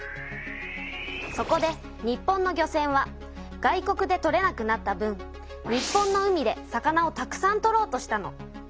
そこで日本の漁船は外国で取れなくなった分日本の海で魚をたくさん取ろうとしたの。